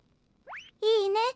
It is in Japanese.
いいね？